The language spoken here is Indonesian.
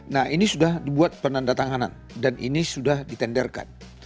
nah ini sudah dibuat penanda tanganan dan ini sudah ditenderkan